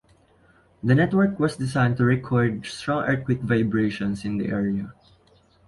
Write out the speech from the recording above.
The network was designed to record strong earthquake vibrations in the area.